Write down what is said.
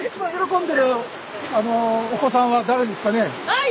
はい！